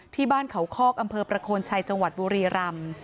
ที่บ้านเขาคอกอำเภอประโคนชัยจังหวัดบุรีรำ